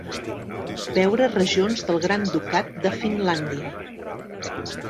Veure Regions del Gran Ducat de Finlàndia.